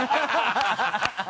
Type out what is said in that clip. ハハハハ！